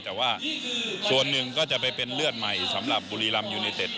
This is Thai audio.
แต่ว่าส่วนหนึ่งก็จะไปเป็นเลือดใหม่สำหรับบุรีรำยูเนเต็ด